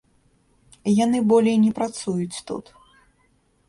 Яны болей не працуюць тут.